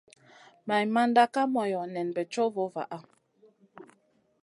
Maimanda Kay moyo nen bey co vo vaha.